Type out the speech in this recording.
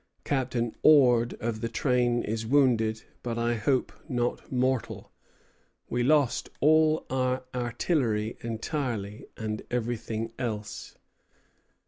Captain Ord of the train is wounded, but I hope not mortal. We lost all our artillery entirely, and everything else.